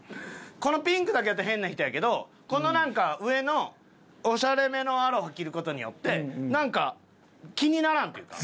このピンクだけやったら変な人やけどこのなんか上のオシャレめのアロハ着る事によってなんか気にならんというか。